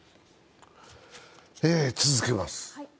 続けます。